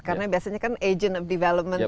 karena biasanya kan agent of development